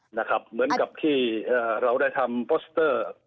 เหมือนกับที่เราได้ทำโปสเตอร์